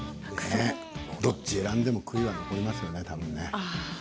どっちを選んでも悔いが残りますよね、たぶんね。